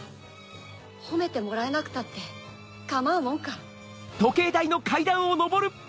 ほめてもらえなくたってかまうもんか